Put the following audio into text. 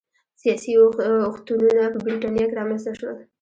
سیاسي اوښتونونه په برېټانیا کې رامنځته شول